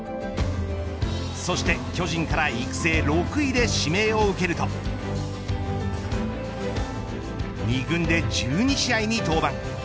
そして巨人から育成６位で指名を受けると２軍で１２試合に登板。